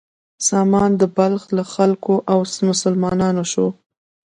سامان د بلخ له خلکو و او مسلمان شو.